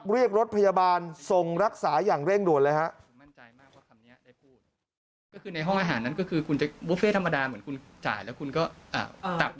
เรียกรถพยาบาลส่งรักษาอย่างเร่งด่วนเลยครับ